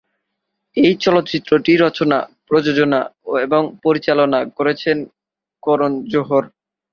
এই চলচ্চিত্রটি রচনা, প্রযোজনা এবং পরিচালনা করেছেন করণ জোহর।